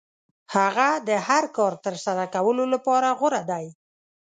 هغه د هر کار ترسره کولو لپاره غوره دی.